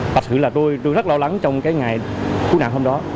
thật sự là tôi rất lo lắng trong cái ngày cứu nạn hôm đó